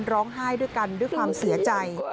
ร้องไห้ด้วยกันด้วยความเสียใจ